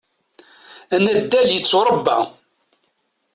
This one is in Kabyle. Anaddal yetturebba.